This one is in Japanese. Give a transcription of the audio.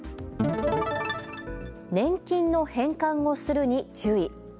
年金の返還をするに注意。